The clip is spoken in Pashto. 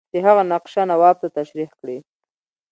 د هغه نقشه نواب ته تشریح کړي.